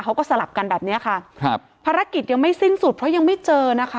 สลับกันแบบเนี้ยค่ะครับภารกิจยังไม่สิ้นสุดเพราะยังไม่เจอนะคะ